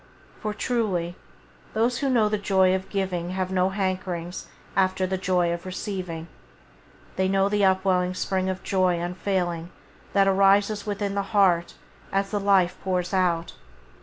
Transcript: For truly, those who know the joy of giving have no hankerings after the joy of receiving; they know the upwelling spring of joy unfailing that arises within the heart as the Life pours out.